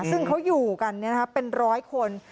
ซึ่งเขาอยู่กันเนี่ยนะครับเป็น๑๐๐คน